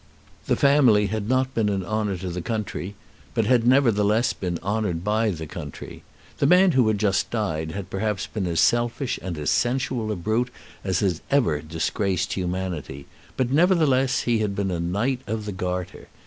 The family had not been an honour to the country, but had nevertheless been honoured by the country. The man who had just died had perhaps been as selfish and as sensual a brute as had ever disgraced humanity; but nevertheless he had been a Knight of the Garter.